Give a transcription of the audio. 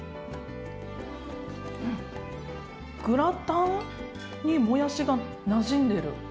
グラタンにもやしがなじんでる。